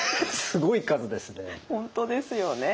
すごい数ですね。